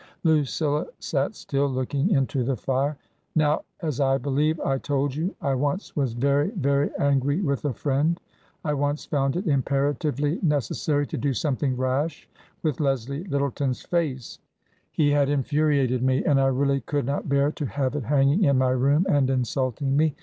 Lucilla sat still, looking into the fire. " Now, as I believe I told you, I once was very, very angry with a friend. I once found it imperatively neces sary to do something rash with Leslie Lyttleton's face. He had infuriated me, and I really could not bear to have it hanging in my room and insulting me.